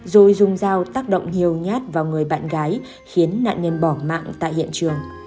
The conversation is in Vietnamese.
rồi dùng dao tác động nhiều nhát vào người bạn gái khiến nạn nhân bỏ mạng tại hiện trường